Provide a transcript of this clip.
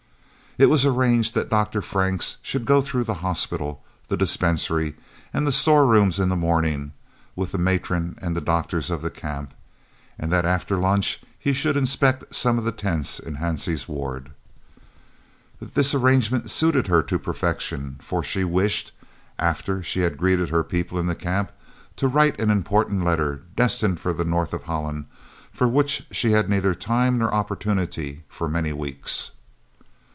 It was arranged that Dr. Franks should go through the hospital, the dispensary, and the store rooms in the morning, with the matron and the doctors of the Camp, and that after lunch he should inspect some of the tents in Hansie's ward. This arrangement suited her to perfection, for she wished, after she had greeted her people in the Camp, to write an important letter, destined for the north of Holland, for which she had had neither time nor opportunity for many weeks.